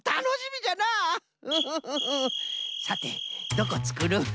さてどこつくる？